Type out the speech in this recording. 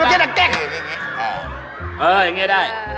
อย่างงี้เลย